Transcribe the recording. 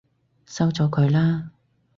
收咗佢啦！